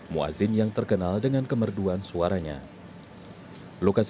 muazzin yang terkenal dengan kemerduan suaranya